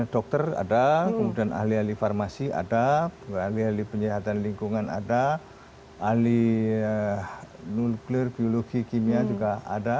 dokter ada kemudian ahli ahli farmasi ada ahli ahli penyihatan lingkungan ada ahli nuklir biologi kimia juga ada